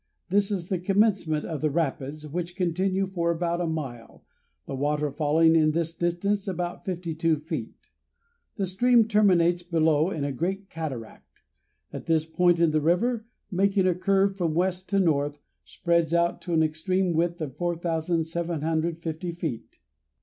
This is the commencement of the rapids, which continue for about a mile, the water falling in this distance about fifty two feet. The stream terminates below in a great cataract. At this point the river, making a curve from west to north, spreads out to an extreme width of 4,750 feet.